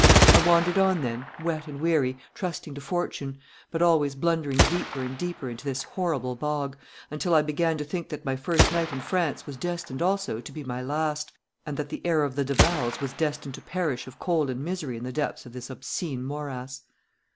I wandered on then, wet and weary, trusting to fortune, but always blundering deeper and deeper into this horrible bog, until I began to think that my first night in France was destined also to be my last, and that the heir of the de Lavals was destined to perish of cold and misery in the depths of this obscene morass.